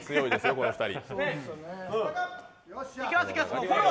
この２人。